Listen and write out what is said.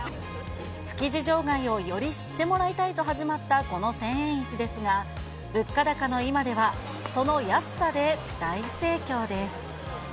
築地場外をより知ってもらいたいと始まったこの千円市ですが、物価高の今では、その安さで大盛況です。